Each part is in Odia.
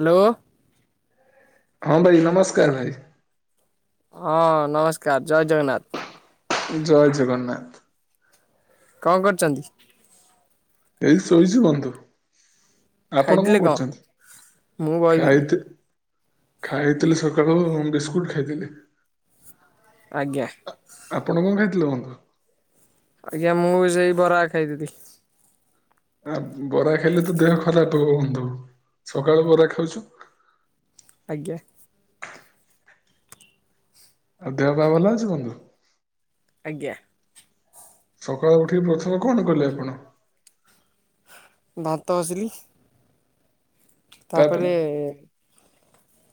ହାଲୋ। ହଁ ଭାଇ ନମସ୍କାର ଭାଇ। ଅଁ ନମସ୍କାର ଜୟ ଜଗନ୍ନାଥ। ଜୟ ଜଗନ୍ନାଥ। କଣ କରୁଛନ୍ତି? ଏଇ ଶୋଇଛି ବନ୍ଧୁ। ଆପଣ କଣ କରୁଛନ୍ତି ମୁଁ ବଇଥିଲି ଖାଇଥି ଖାଇଥିଲି ସକାଳୁ ବିସ୍କୁଟ ଖାଇଥିଲି। ଆଜ୍ଞା। ଆପଣ କଣ ଖାଇଥିଲେ ବନ୍ଧୁ? ଆଜ୍ଞା ମୁଁ ସେଇ ବରା ଖାଇଥିଲି। ଆ ବରା ଖାଇଲେ ତ ଦେହ ଖରାପ ହବ ବନ୍ଧୁ ସକାଳୁ ବରା ଖାଉଛ। ଆଜ୍ଞା। ଆଉ ଦେହ ପାହା ଭଲ ଅଛି ବନ୍ଧୁ? ଆଜ୍ଞା। ସକାଳୁ ଉଠିକି ପ୍ରଥମେ କଣ କଲେ ଆପଣ? ଦାନ୍ତ ଘସିଲି। ତାପରେ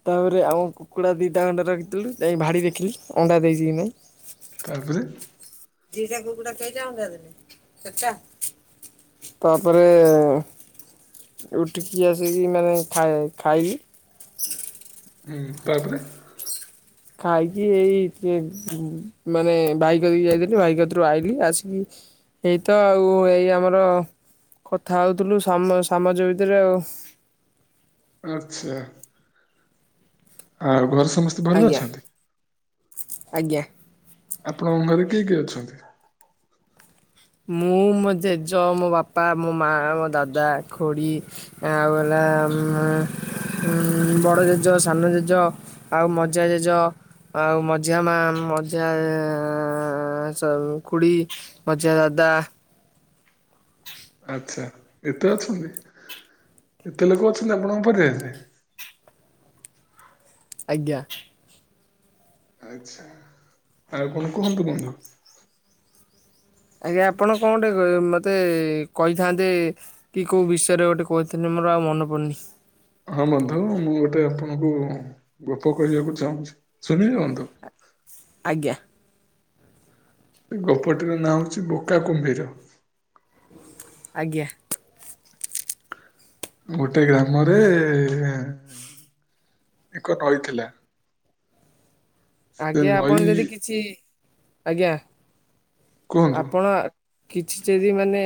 ତାପରେ ଆଉ କୁକୁଡ଼ା ଦୁଇଟା ଖଣ୍ଡା ରଖିଥିଲୁ। ଯାଇ ଭାଡ଼ି ଦେଖିଲି ଅଣ୍ଡା ଦେଇଛିି ନାହିଁ? ତାପରେ ଦିଟା କୁକୁଡ଼ା କେଇଟା ଅଣ୍ଡା ଦେଲେ? ଚର୍ଟା। ତାପରେ ଉଠିକି ଆସିକି ମାନେ ଖାଇ ଖାଇବି। ହୁଁ। ତାପରେ ଖାଇକି ଏଇ ତ ଉମ୍ ମାନେ ଭାଇ କତିକି ଯାଇଥିଲି। ଭାଇକତିରୁ ଆଇଲି। ଆସିକି ଏଇ ତ ଆଉ ଏଇ ଆମର କଥା ହଉଥିଲୁ ସମ ସାମଜ ଭିତରେ ଆଉ। ଆଚ୍ଛା। ଆଉ ଘରେ ସମସ୍ତେ ଭଲ ଆଜ୍ଞା ଅଛନ୍ତି? ଆଜ୍ଞା। ଆପଣଙ୍କ ଘରେ ରେ କିଏ କିଏ ଅଛନ୍ତି? ମୁଁ ମୋ ଜେଜ, ମୋ ବାପା, ମୋ ମାଆ, ମୋ ଦାଦା, ଖୁଡ଼ି। ଆଉ ହେଲା ଉମ୍ ଆ ଉମ୍ ବଡ ଜେଜ, ସାନ ଜେଜ। ଆଉ ମଝିଆ ଜେଜ। ଆଉ ମଝିଆ ମା, ମଝିଆ ସ ଖୁଡି ମଝିଆ ଦାଦା। ଆଚ୍ଛା ଏତେ ଅଛନ୍ତି! ଏତେ ଲୋକ ଅଛନ୍ତି ଆପଣଙ୍କ ପରିବାରରେ? ଆଜ୍ଞା। ଆଚ୍ଛା। ଆଉ କଣ କୁହନ୍ତୁ ବନ୍ଧୁ? ଆଜ୍ଞା ଆପଣ କଣଟେ ମୋତେ କହିଥାନ୍ତେ କି କୋଉ ବିଷୟରେ ଗୋଟେ କଉଥିଲେ ମୋର ଆଉ ମନେ ପଡ଼ୁନି। ହଁ ବନ୍ଧୁଲ ମୁଁ ଗୋଟେ ଆପଣଙ୍କୁ ଗପ କହିବାକୁ ଚାହୁଁଛି। ଶୁଣିବେ ବନ୍ଧୁ? ଆଜ୍ଞା। ଗପଟିର ନାଁ ହେଉଛି ବୋକା କୁମ୍ଭୀର। ଆଜ୍ଞା। ଗୋଟେ ଗ୍ରାମରେ ଏକ ନଈ ଥିଲା। ସେ ଆଜ୍ଞା ନଈ ଆପଣ ଯଦି କିଛି। ଆଜ୍ଞା। କୁହନ୍ତୁ? ଆପଣ ଆ କିଛି ଯଦି ମାନେ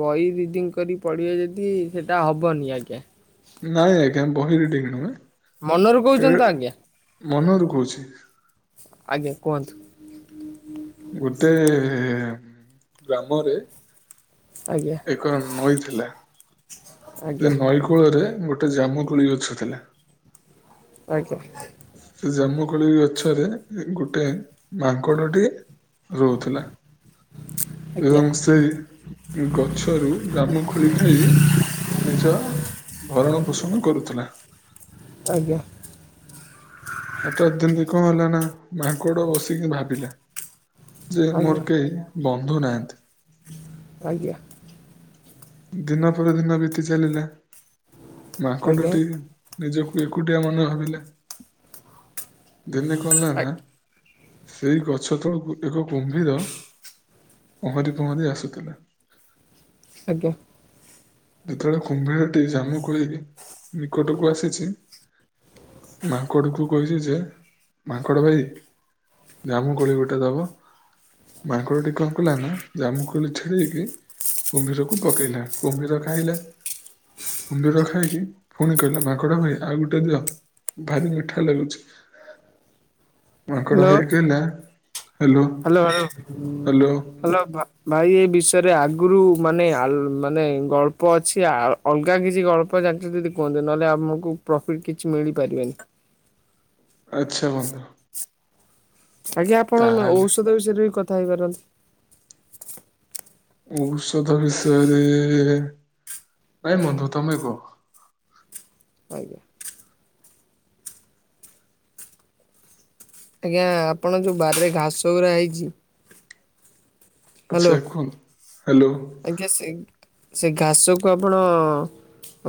ବହି ରିଡ଼ିଙ୍ଗ କରି ପଢ଼ିବେ ଯଦି ସେଇଟା ହେବନି ଆଜ୍ଞା। ନାଇଁ ଆଜ୍ଞା ବହି ରିଡିଙ୍ଗ ନୁହେଁ। ମନରୁ ଏ କହୁଛନ୍ତି ତ ଆଜ୍ଞା? ମନରୁ କହୁଛି। ଆଜ୍ଞା। କୁହନ୍ତୁ। ଗୋଟେ ଗ୍ରାମରେ ଆଜ୍ଞା ଏକ ନଈଥିଲା। ସେ ଆଜ୍ଞା ନଈକୂଳରେ ଗୋଟେ ଜାମୁ କୋଳି ଗଛ ଥିଲା। ଆଜ୍ଞା। ସେ ଜାମୁକୋଳି ଗଛରେ ଗୋଟେ ମାଙ୍କଡ଼ଟିଏ ରହୁଥିଲା। ଆଜ୍ଞା ଏବଂ ସେଇ ଗଛରୁ ଜାମୁଖୋଳି ଖାଇ ନିଜ ଭରଣ ପୋଷଣ କରୁଥିଲା। ଆଜ୍ଞା। ହଠାତ୍ ଏମିତି କଣ ହେଲା ନା? ମାଙ୍କଡ ବସିକି ଭାବିଲା। ଯେ ମୋର କେହି ବନ୍ଧୁ ନାହାଁନ୍ତି। ଆଜ୍ଞା। ଦିନ ପରେ ଦିନ ବିତି ଚାଲିଲା। ମାଙ୍କଡଟି ନିଜକୁ ଏକୁଟିଆ ମନେ ଭାବିଲା। ଦିନେ କଣ ହେଲା ନା? ସେଇ ଗଛ ତଳକୁ ଏକ କୁମ୍ଭୀର ପହଁରି ପହଁରି ଆସୁଥିଲା। ଆଜ୍ଞା। ଯେତେବେଳେ କୁମ୍ଭୀରଟି ଜାମୁ କୋଳି ନିକଟକୁ ଆସିଛି। ମାଙ୍କଡକୁ କହିଚି ଯେ ମାଙ୍କଡ ଭାଇ ଜାମୁକୋଳି ଗୋଟେ ଦବ ମାଙ୍କଡ଼ଟି କଣ କଲା ନା ଜାମୁକୋଳି ଛଡେଇକି କୁମ୍ଭୀରକୁ ପକେଇଲା କୁମ୍ଭୀର ଖାଇଲା କୁମ୍ଭୀର ଖାଇକି ପୁଣି କହିଲା ମାଙ୍କଡ ଭାଇ ଆଉ ଗୋଟେ ଦିଅ ଭାରି ମିଠା ଲାଗୁଚି ହାଲୋ କହିଲା hello hello hello hello hello ଭାଇ ଏ ବିଷୟରେ ଆଗରୁ ମାନେ ଆଲୋ ମାନେ ଗଳ୍ପ ଅଛି ଆ ଅଲଗା କିଛି ଅଳ୍ପ ଜାଣିଚନ୍ତି ଯଦି କୁହନ୍ତୁ ନହେଲେ ଆମକୁ ପ୍ରଫିଟ୍ କିଛି ମିଳିପାରିବନି। ଆଚ୍ଛା ବନ୍ଧୁ। ଆଜ୍ଞା ଆପଣ ତାହେଲେ ଔଷଧ ବିଷୟରେ ବି କଥା ହେଇପାରନ୍ତି। ଔଷଧ ବିଷୟରେ ନାଇଁ ବନ୍ଧୁ ତମେ କୁହ। ଆଜ୍ଞା। ଆଜ୍ଞା ଆପଣ ଯେଉଁ ବାରିରେ ଘାସଗୁଡ଼ା ହେଇଚି- ହାଲୋ ଆଚ୍ଛା କୁହନ୍ତୁ ହ୍ୟାଲୋ ଆଜ୍ଞା ସେ ସେ ଘାସକୁ ଆପଣ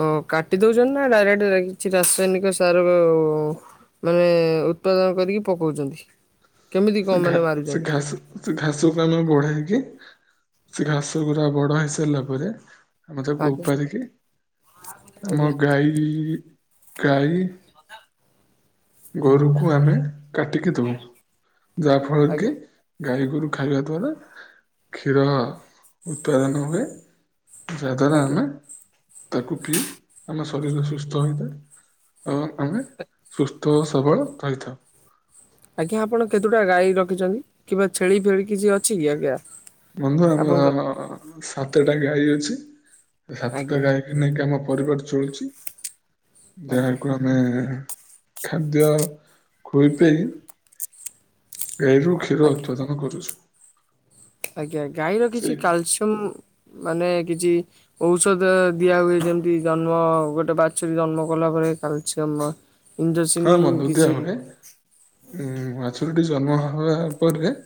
ଅଁ କାଟି ଦଉଚନ୍ତି ନା ଡାଇରେକ୍ଟ କିଛି ରାସାୟନିକ ସାର ଓ ମାନେ ଉତ୍ପାଦନ କରିକି ପକାଉଚନ୍ତି କେମିତି ସେ କଣ ଘା ମାନେ ସେ ମାରୁଚନ୍ତି। ଘାସ ସେ ଘାସକୁ ଆମେ ବଢେଇକି ସେ ଘାସ ଗୁରା ବଡ ହେଇ ସାରିଲା ପରେ ଆମେ ତାକୁ ଆଜ୍ଞା ଉପାଡିକି ଆମ ଆଜ୍ଞା ଗାଈ ଗାଈ ଗୋରୁକୁ ଆମେ କାଟିକି ଧୋଉ। ଯା ଫଳରେ କି ଆଜ୍ଞା ଗାଈ ଗୋରୁ ଖାଇବା ଦ୍ଵାରା କ୍ଷୀର ଉତ୍ପାଦନ ହୁଏ ଯାହାଦ୍ୱାରା ଆଜ୍ଞା। ଆମେ ତାକୁ ପିଇ ଆମ ଶରୀର ସୁସ୍ଥ ହେଇଥାଏ। ଆଉ ଆମେ ସୁସ୍ଥ ଓ ସବଳ ରହିଥାଉ। ଆଜ୍ଞା ଆପଣ କେତେଟା ଗାଈ ରଖିଚନ୍ତି କିମ୍ବା ଛେଳି ଫେଳି କିଛି ଅଛି କି ଆଜ୍ଞା। ବନ୍ଧୁ ଆପଣଙ୍କ ଆମର ସାତଟା ଗାଈ ଅଛି ସାତଟା ଆଜ୍ଞା ଗାଈ ଏ ନେଇକି ଆମ ପରିବାର ଚଳୁଚି। ଆଜ୍ଞା ଯାହାକୁ ଆମ୍ ମନେ ଖାଦ୍ୟ ଖୋଇପେଇ ଗାଈରୁ କ୍ଷୀର ଆଜ୍ଞା ଉତ୍ପାଦନ କରୁଚୁ। ଆଜ୍ଞା ଗାଈର କିଛି କାଲସିୟମ ମାନେ କିଛି ଔଷଧ ଦିଆ ହୁଏ ଯେମିତି ଜନ୍ମ ଗୋଟେ ବାଛୁରୀ ଜନ୍ମ କଲା ପରେ କାଲସିୟମ୍ ହଁ ଇଞ୍ଜେକଶିନୀ ବନ୍ଧୁ ଦିଆ କିଛି? ହୁଏ ଉଁ ବାଛୁରୀଟି ଜନ୍ମ ହେଲା ପରେ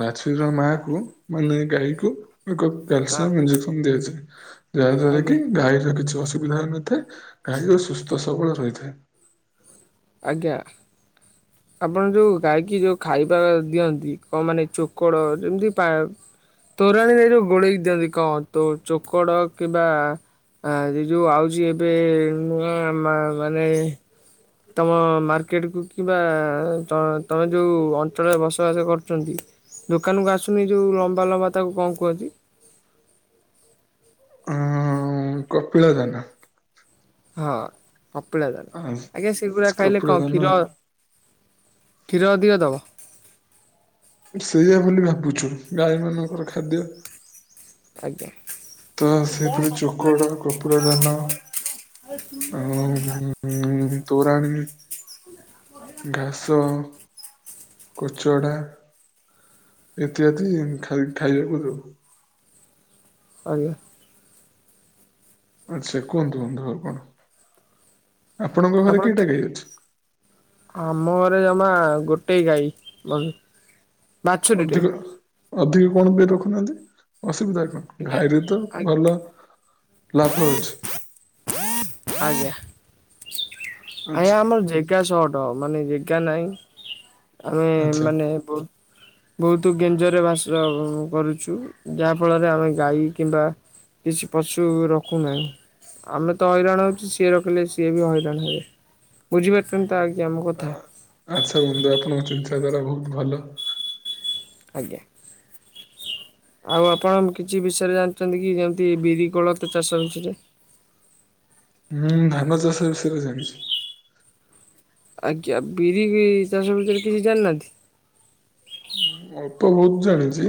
ବାଛୁରୀର ମାକୁ ମାନେ ଗାଈକୁ ଏକ ତା କ୍ୟାଲସିୟମ୍ ଇଞେକ୍ସନ ଦେଇଚି ଯାହା ଦ୍ଵାରା ଆଜ୍ଞା କି ଗାଈ ର କିଛି ଅସୁବିଧା ହଉନଥାଏ ଥାଏ, ଗାଈର ସୁସ୍ଥ ସବଳ ରହିଥାଏ। ଆଜ୍ଞା। ଆପଣ ଯୋଉ ଗାଈ କିି ଯୋଉ ଖାଇବା ଦିଅନ୍ତି କ ମାନେ ଚୋକଡ଼ ଯେମିତି ପା ତୋରାଣିରୁ ଯୋଉ ଗୋଳେଇକି ଦିଅନ୍ତି କ ତୋ ଚୋକଡ କିମ୍ବା ଆ ସେ ଯୋଉ ଆଉଚି ଏବେ ନୂଆ ମା ମାନେ ତମ ମାର୍କେଟକୁ କିମ୍ବା ତ ତମେ ଯୋଉ ଅଞ୍ଚଳରେ ବସବାସ କରୁଚନ୍ତି ଦୋକାନକୁ ଆସୁନି ଯୋଉ ଲମ୍ବା ଲମ୍ବା ତାକୁ କଣ କୁହନ୍ତି? ଉଁ କପିଳ ଦାନା। ହଁ କପିଳା ଦାନା ଆଜ୍ଞା ସେଗୁଡା ଖାଇଲେ କପିଳ କଣ ଦାନା କ୍ଷୀର କ୍ଷୀର ଅଧିକ ଦବ? ସେଇଆ ବୋଲି ଭାବୁଚୁ ଗାଈ ମାନଙ୍କର ଖାଦ୍ୟ ଆଜ୍ଞା। ତ ସେପରି ଚୋକଡ, କପିଳା ଦାନା ଆଉ ହୁଁ ତୋରାଣି। ହ ଘାସ କୁଚଡ଼ା ଇତ୍ୟାଦି ଖାଲ ଖାଇବାକୁ ଦୋଉଚୁ। ଆଜ୍ଞା। ଆଚ୍ଛା କୁହନ୍ତୁ ବନ୍ଧୁ ଆଉ କଣ ଆପଣଙ୍କ ଘରେ ଆପଣ କେଇଟା ଗାଈ ଅଛି? ଆମ ଘରେ ଜମା ଗୋଟେ ଗାଈ ମ ଅଧିକ ଅଧିକ କଣ ପାଇଁ ରଖୁନାହାନ୍ତି ଅସୁବିଧା କଣ? ଆଜ୍ଞା ଘାଇରୁ ତ ଭଲ ଲାଭ ଲାଭ ହୋଉଛି। ଆଜ୍ଞା ଆଚ୍ଛା। ଆଜ୍ଞା ଆମର ଯେ ଜା ଶହଟ ମାନେ ଯେଗା ନାହିଁ ଆମେ ଆଚ୍ଛା ମାନେ ବହୁ ବହୁତ ଗେଞ୍ଜରେ ବାସ କରୁଛୁ। ଯାହା ଫଳରେ ଆମେ ଗାଈ କିମ୍ବା କିଛି ପଶୁ ରଖୁନାହିଁ। ଆମେ ତ ହଇରାଣ ହୋଉଛୁ। ସିଏ ରଖିଲେ ସିଏ ବି ହଇରାଣ ହେବେ। ବୁଝିପାରୁଛନ୍ତି ତ ଆଜ୍ଞା ମୋ କଥା। ଆଚ୍ଛା ବନ୍ଧୁ ଆପଣଙ୍କ ଚିନ୍ତାଧାରା ବହୁତ ଭଲ। ଆଜ୍ଞା। ଆଉ ଆପଣ କିଛି ବିଷୟରେ ଜାଣିଛନ୍ତି କି ଯେମତି ବିରି କୋଳଥ ଚାଷ ବିଷୟରେ? ହୁଁ ଧାନ ଚାଷ ବିଷୟରେ ଜାଣିଛି। ଆଜ୍ଞା ବିରିିକି ଚାଷ ଭିତରେ କିଛି ଜାଣିନାହାନ୍ତି? ହୁଁ ଅଳ୍ପ ବହୁତ ଜାଣିଛି।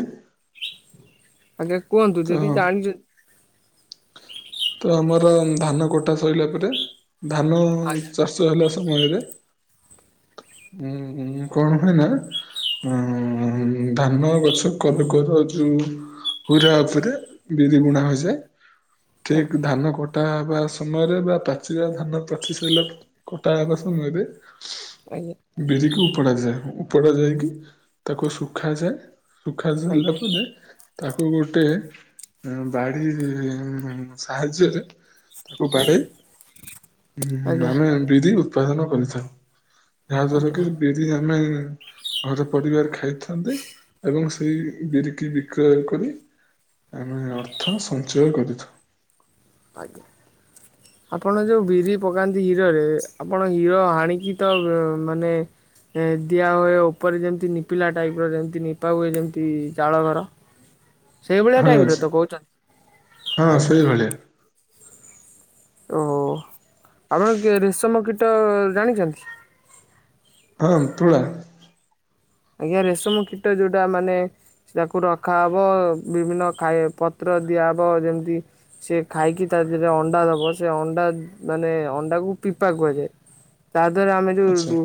ଆଜ୍ଞା କୁହନ୍ତୁ ତ ଯଦି ଜାଣିଚ୍ ତ ଆମର ଧାନ କଟା ସଇଲା ପରେ ଧାନ ଆଜ୍ଞା ଚାଷ ଛୁଆ ହେଲା ସମୟରେ ଉ କଣ ହୁଏ ନା ଉ ଧାନ ଗଛ କର କର ଯୋଉ ହୁରା ଉପରେ ବିରି ବୁଣା ହୋଇଯାଏ ଆଜ୍ଞା ଠିକ ଧାନ କଟ ଟା ହବା ସମୟରେ ବା ପାଚିବା ଧାନ ପାଚି ସାରିଲା କଟା ହେବା ସମୟରେ ଆଜ୍ଞ। ବିରିକି ଉପଡାଯାଏ ଉପଡା ଯାଇକି ତାକୁ ଶୁଖାଯାଏ। ଶୁଖା ସରିଲା ଆଜ୍ଞା ପରେ ତାକୁ ଗୋଟେ ବାଡି ସାହାଯ୍ୟରେ ତାକୁ ଆଜ୍ଞା ବାଢେଇ ଆଜ୍ଞା ଆମେ ବିରି ଉତ୍ପାଦନ କରିଥାଉ। ଯାହା ଦ୍ଵାରା କି ଆଜ୍ଞା ବିରି ଆମେ ଘର ପରିବାର ଖାଇଥାନ୍ତେ ଏବଂ ସେଇ ବିରିକି ବିକ୍ରୟ କରି ଆମେ ଅର୍ଥ ସଞ୍ଚୟ କରିଥାଉ। ଆଜ୍ଞା। ଆପଣ ଯୋଉ ବିରି ପକାନ୍ତି ହିରୋଉରେ ଆପଣ ହିରୋ ହାଣିକି ତ ମାନେ ଦିଆହୁଏ ଉପରେ ଯେମିତି ନିପିଲା ଟାଇପ୍ର ଯେମିତି ନିପାହୁୁଏ ଯେମିତି ଜଳ ଘର ସେଇଭଳିଆ ଟାଇପ ରେ ହଁ ତ କହୁଛନ୍ତି ହଁ ଆଜ୍ଞା ସେଇଭଳିଆ ଓହୋ ଆପଣ କେ ରେଶମ କୀଟ ଜାଣିଛନ୍ତି? ହଁ ତୁଳା। ଆଜ୍ଞା ରେଶମ କୀଟ ଯୋଉଟା ମାନେ ତାକୁ ରଖାହବ ବିଭିନ୍ନ ଖାଇ ପତ୍ର ଦିଆହେବ ଯେମିତି ସେ ଖାଇକି ତା ଦେହରେ ଅଣ୍ଡା। ଦବ ସେ ଅଣ୍ଡା ମାନେ ଅଣ୍ଡାକୁ ପିପା କୁହାଯାଏ ତା ଦେହରେ ଆମେ ଆଚ୍ଛା ଯୋଉ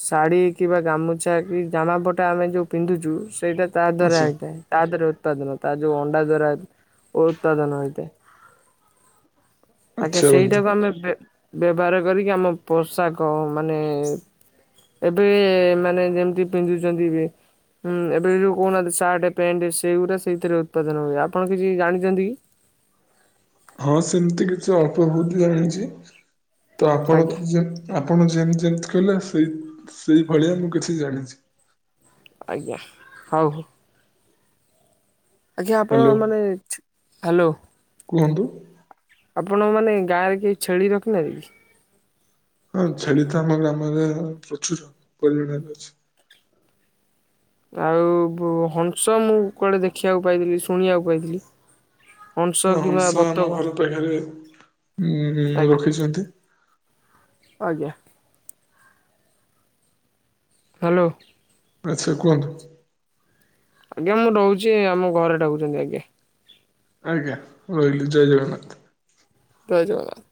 ଶାଢୀ କିମ୍ବା ଗାମୁଛା କି ଜାମାପଟା ଆମେ ଯେଉଁ ପିନ୍ଧୁଛୁ ସେଇଟା ତା ଦ୍ୱାରା ଆଚ୍ଛା ହୋଇଥାଏ। ତାଦିହରୁ ଉତ୍ପାଦନ ତାର ଯୋଉ ଅଣ୍ଡା ଦ୍ୱାରା ଉତ୍ପାଦନ ହେଇଥାଏ। ଆଜ୍ଞା ଆଚ୍ଛା ବନ୍ଧୁ ସେଇଟାକୁ ଆମେ ବେ ବ୍ୟବହାର କରିକି ଆମ ପୋଷାକ ମାନେ ଏବେ ମାନେ ଯେମିତି ପିନ୍ଧୁଛନ୍ତି ବି ହୁଁ ଏବେ ଯୋଉ କହୁନାହାନ୍ତି ସାର୍ଟ ପ୍ୟାଣ୍ଟ ସେଗୁାରା ସେଇଥିରେ ଉତ୍ପାଦନ ହୁଏ। ଆପଣ କିଛି ଜାଣିଛନ୍ତି କି? ହଁ ସେମିତି କିଛି ଅଳ୍ପ ବହୁତ୍ ଜାଣିଛି ତ ଆପଣ ଆଜ୍ଞା କିଛି ଆପଣ ଯେମତି ଯେମିତି କହିଲେ ସେଇ ସେଇ ଭଳିଆ ମୁଁ କିଛି ଜାଣିଛି। ଆଜ୍ଞା ହଉ ହଉ। ଆଜ୍ଞା ଆପଣ ହ୍ୟାଲୋ ମାନେ ହାଲୋ। କୁହନ୍ତୁ। ଆପଣ ମାନେ ଗାଁରେ କେହି ଛେଳି ରଖିନାନ୍ତି କି? ହଁ ଛେଳି ତ ଆମ ଗ୍ରାମରେ ପ୍ରଚୁର ପରିମାଣରେ ଅଛି। ଆଉ ବୋ ହଂସ ମୁଁ କୁଆଡେ ଦେଖିବାକୁ ପାଇଥିଲି ଶୁଣିବାକୁ ପାଇଥିଲି। ହଂସ ହଁ କିମ୍ବା ହଂସ ବତକ ଆମ ଘର ପାଖରେ ଉଁ ଆଜ୍ଞା ରଖିଛନ୍ତି। ଆଜ୍ଞା। ହାଲୋ। ଆଚ୍ଛା କୁହନ୍ତୁ। ଆଜ୍ଞା ମୁଁ ରହୁଚି ଆମ ଘରେ ଡାକୁଚନ୍ତି ଆଜ୍ଞା। ଆଜ୍ଞା ରହିଲି ଜୟ ଜଗନ୍ନାଥ। ଜୟ ଜଗନ୍ନାଥ।